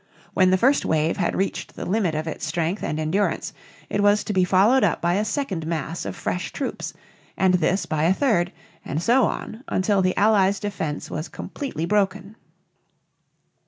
When the first wave had reached the limit of its strength and endurance, it was to be followed up by a second mass of fresh troops, and this by a third, and so on until the Allies' defense was completely broken.